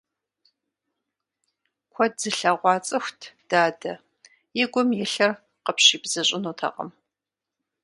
Куэд зылъэгъуа цӀыхут дадэ, и гум илъыр къыпщибзыщӀынутэкъым.